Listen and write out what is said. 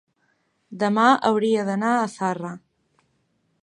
Demà hauria d'anar a Zarra.